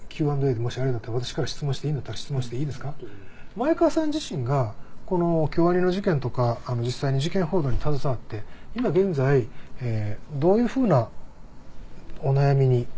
前川さん自身がこの京アニの事件とか実際に事件報道に携わって今現在どういうふうなお悩みに。